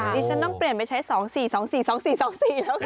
ดิฉันต้องเปลี่ยนไปใช้๒๔๒๔๒๔๒๔แล้วค่ะ